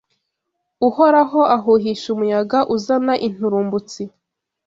Uhoraho ahuhisha umuyaga, uzana inturumbutsi